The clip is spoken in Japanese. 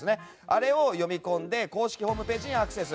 それを読み込んで公式ホームページにアクセス。